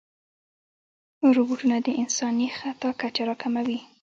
روبوټونه د انساني خطا کچه راکموي.